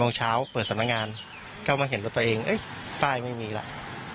โมงเช้าเปิดสำนักงานก็มาเห็นรถตัวเองป้ายไม่มีแล้ว